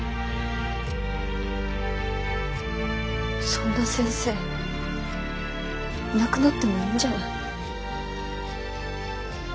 そんな先生いなくなってもいいんじゃない？